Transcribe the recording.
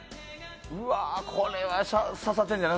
これは刺さってるんじゃない？